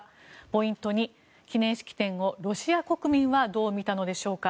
ポイント２記念式典をロシア国民はどう見たのでしょうか。